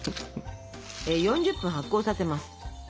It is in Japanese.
４０分発酵させます。